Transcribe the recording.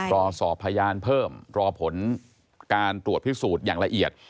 รอสอบพยานเพิ่มรอผลการตรวจพิสูจน์อย่างละเอียด